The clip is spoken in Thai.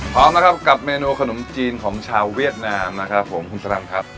พร้อมนะครับกับเมนูขนมจีนของชาวเวียดนามนะครับผมคุณสรังครับ